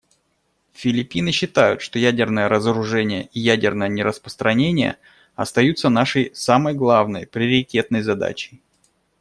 Филиппины считают, что ядерное разоружение и ядерное нераспространение остаются нашей самой главной, приоритетной задачей.